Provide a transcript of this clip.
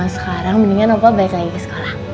sekarang mendingan opah balik lagi ke sekolah